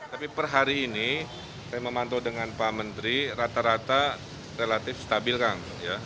tapi per hari ini saya memantau dengan pak menteri rata rata relatif stabil kang